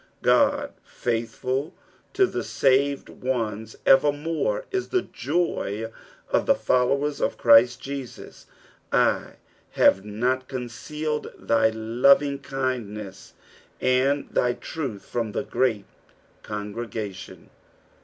God faithful to the saved ones evermore is the joy of the followers of Christ Jesus. "/ hate not eoncealed thy lot:ivglij<diieii» and thy traih from th« great eongi egation.''''